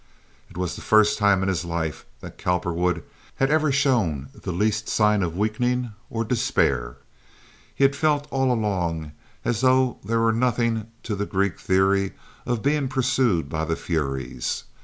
It was the first time in his life that Cowperwood had ever shown the least sign of weakening or despair. He had felt all along as though there were nothing to the Greek theory of being pursued by the furies.